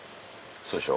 そうでしょ。